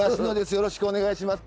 よろしくお願いします。